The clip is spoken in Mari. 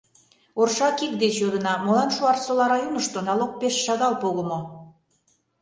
Орша кик деч йодына: «Молан Шуарсола районышто налог пеш шагал погымо?